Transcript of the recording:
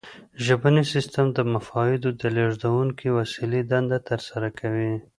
ژبنی سیستم د مفاهیمو د لیږدونکې وسیلې دنده ترسره کوي